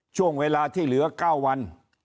ช่วงเวลาที่เหลือ๙วัน